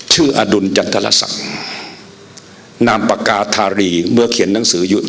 อดุลจันทรศักดิ์นามปากกาธารีเมื่อเขียนหนังสืออยู่